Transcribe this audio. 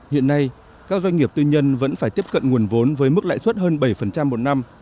hiện nay các doanh nghiệp tư nhân vẫn phải tiếp cận nguồn vốn với mức lãi suất hơn bảy một năm